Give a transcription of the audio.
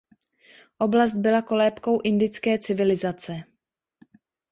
Oblast byla kolébkou indické civilizace.